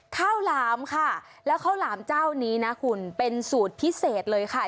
หลามค่ะแล้วข้าวหลามเจ้านี้นะคุณเป็นสูตรพิเศษเลยค่ะ